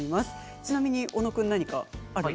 ちなみに小野君何かありますか？